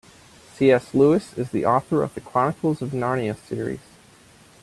C.S. Lewis is the author of The Chronicles of Narnia series.